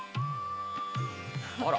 あら。